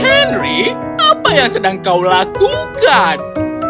henry apa yang sedang kau lakukan